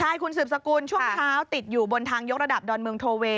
ใช่คุณสืบสกุลช่วงเช้าติดอยู่บนทางยกระดับดอนเมืองโทเวย์